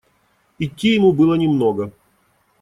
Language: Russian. Идти ему было немного.